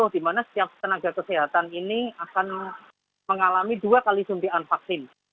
dimana setiap tenaga kesehatan ini akan mengalami dua kali suntian vaksin